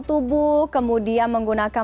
tubuh kemudian menggunakan